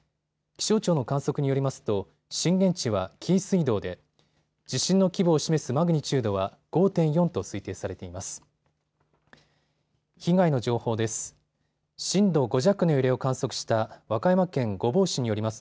気象庁の観測によりますと震源地は、紀伊水道で地震の規模を示すマグニチュードは５．４と推定されています。